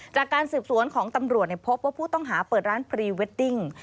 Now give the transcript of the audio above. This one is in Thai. จากการสืบสวนของตำรวจพบว่าผู้ต้องหาเปิดร้านพรีเวดดิ้ง